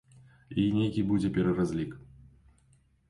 І нейкі будзе пераразлік.